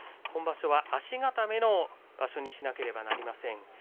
今場所は足固めの場所にしなければなりません。